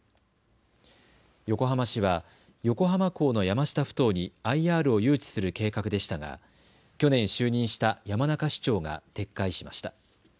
横浜市は横浜港の山下ふ頭にＩＲを誘致する計画でしたが去年就任した山中市長が撤回しました。